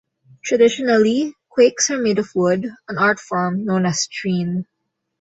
Traditionally quaichs are made of wood, an artform known as "treen".